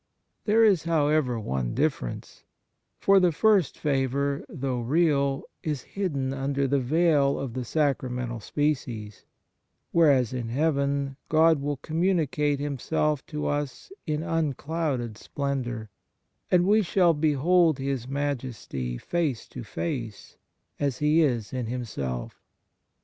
... There is, however, one differ ence: for the first favour, though real, is hidden under the veil of the sacramental species; whereas in heaven God will com municate Himself to us in unclouded splendour, and we shall behold His Majesty face to face, as He is in Himself."